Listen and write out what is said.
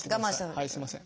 はいすいません。